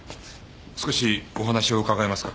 少しお話を伺えますか？